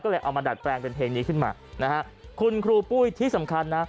ก็เลยเอามาดัดแปลงเป็นเพลงนี้ขึ้นมานะฮะคุณครูปุ้ยที่สำคัญนะ